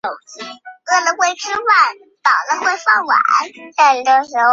永续年金是一种永无止境的年金或者现金支付流。